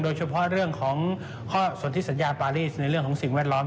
โดยเฉพาะเรื่องของข้อสนที่สัญญาปารีสในเรื่องของสิ่งแวดล้อม